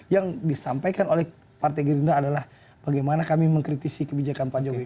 yang disampaikan oleh partai gerindra adalah bagaimana kami mengkritisi kebijakan pak jokowi